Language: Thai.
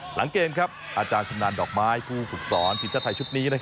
หลังเกมอาจารย์ชำนาญดอกไม้ผู้ฝึกสอนทีมชาติไทยชุดนี้